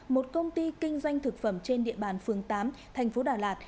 một công ty kinh doanh thực phẩm trên địa bàn phường tám thành phố đà lạt